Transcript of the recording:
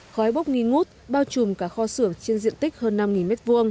khói bốc nghi ngút bao trùm cả kho xưởng trên diện tích hơn năm m hai